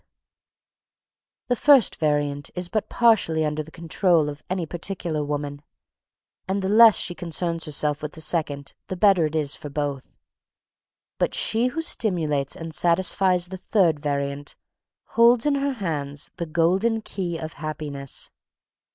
[Sidenote: The Key of Happiness] The first variant is but partially under the control of any particular woman, and the less she concerns herself with the second, the better it is for both, but she who stimulates and satisfies the third variant holds in her hands the golden key of happiness.